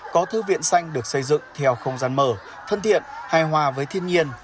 có thư viện xanh được xây dựng theo không gian mở thân thiện hài hòa với thiên nhiên